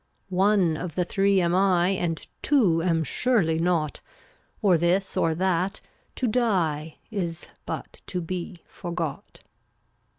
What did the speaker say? One of the three am I And two am surely not; Or this or that, to die Is but to be forgot.